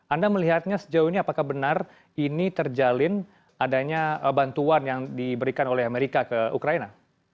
anda melihatnya sejauh ini apakah benar ini terjalin adanya bantuan yang diberikan oleh amerika ke ukraina